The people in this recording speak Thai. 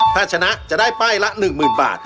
ถ้าชนะจะได้ป้ายละ๑๐๐๐บาท